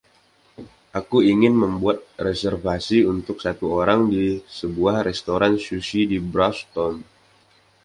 Aku ingin membuat reservasi untuk satu orang di sebuah restoran sushi di Brucetown